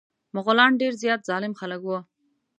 مغولان ډير زيات ظالم خلک وه.